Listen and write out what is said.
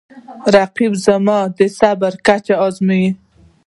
رقیب زما د صبر کچه ازموي